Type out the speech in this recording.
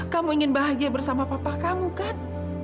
kamu ingin bahagia bersama papa kamu kan